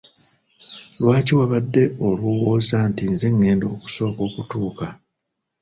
Lwaki wabadde olwowooza nti nze ngenda okusooka okutuuka?